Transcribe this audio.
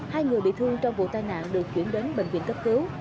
hai người bị thương trong vụ tai nạn được chuyển đến bệnh viện cấp cứu